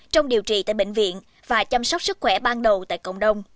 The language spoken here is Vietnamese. trong điều trị tại bệnh viện và chăm sóc sức khỏe ban đầu tại cộng đồng